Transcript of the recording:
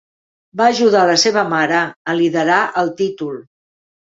Va ajudar la seva mare a liderar el títol.